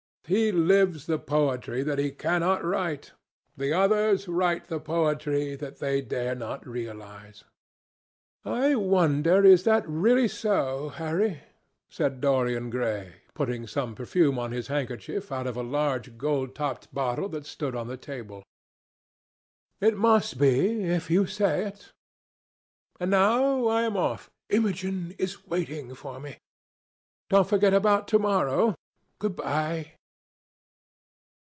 He lives the poetry that he cannot write. The others write the poetry that they dare not realize." "I wonder is that really so, Harry?" said Dorian Gray, putting some perfume on his handkerchief out of a large, gold topped bottle that stood on the table. "It must be, if you say it. And now I am off. Imogen is waiting for me. Don't forget about to morrow. Good bye."